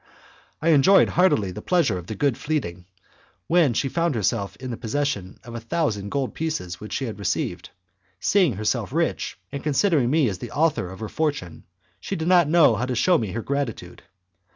I enjoyed heartily the pleasure of the good Fleming, when she found herself in possession of the thousand gold pieces which she had received. Seeing herself rich, and considering me as the author of her fortune, she did not know how to shew me her gratitude.